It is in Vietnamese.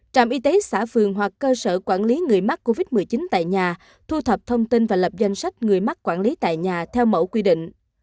trạm y tế xã phường hoặc cơ sở quản lý người mắc covid một mươi chín tại nhà thu thập thông tin và lập danh sách người mắc quản lý tại nhà theo mẫu quy định